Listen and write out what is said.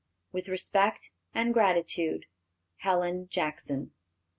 "With respect and gratitude, "HELEN JACKSON."